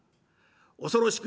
恐ろしく